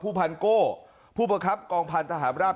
พันโก้ผู้ประคับกองพันธหารราบ